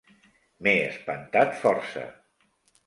M"he espantat força.